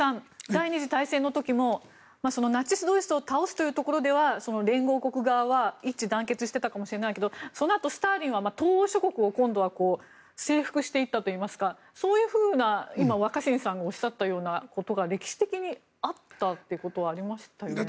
第２次大戦の時もナチス・ドイツを倒すということでは連合国側は一致団結してたかもしれないけどそのあとスターリンは東欧諸国を征服していったといいますか今、若新さんがおっしゃったようなことが歴史的にあったということはありましたよね。